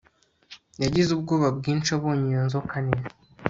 Yagize ubwoba bwinshi abonye iyo nzoka nini